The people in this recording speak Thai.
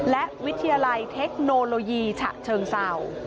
และวิทยาลัยเทคโนโลยีฉะเชิงเศร้า